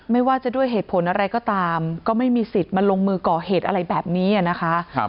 ไม่ว่าจะด้วยเหตุผลอะไรก็ตามก็ไม่มีสิทธิ์มาลงมือก่อเหตุอะไรแบบนี้นะคะ